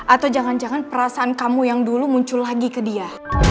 atau jangan jangan perasaan kamu yang dulu muncul lagi ke dia